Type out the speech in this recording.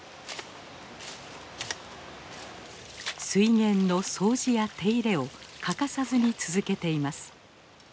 水源の掃除や手入れを欠かさずに続けています。